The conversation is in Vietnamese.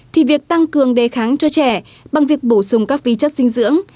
thì việc tăng cường đề kháng cho trẻ bằng việc bổ sung các vi chất dinh dưỡng